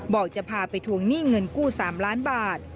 บอกจะพาไปทวงหนี้เงินกู้๓ล้านบาท